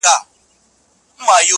o دا رومانتيك احساس دي خوږ دی گراني.